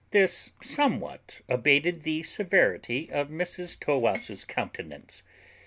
This somewhat abated the severity of Mrs Tow wouse's countenance.